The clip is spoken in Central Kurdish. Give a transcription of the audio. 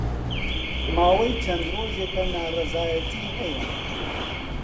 ماوەی چەند ڕۆژێکە ناڕەزایەتی ھەیە